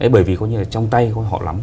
bởi vì trong tay họ lắm